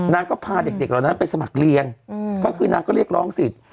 นางก็พาเด็กเหล่านั้นไปสมัครเรียนก็คือนางก็เรียกร้องสิทธิ์